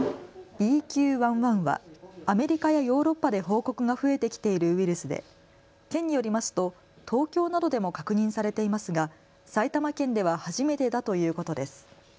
ＢＱ．１．１はアメリカやヨーロッパで報告が増えてきているウイルスで県によりますと東京などでも確認されていますが埼玉県では初めてだということです。